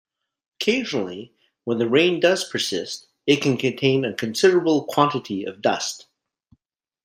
Occasionally, when the rain does persist, it can contain a considerable quantity of dust.